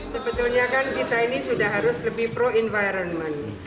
sebetulnya kan kita ini sudah harus lebih pro environment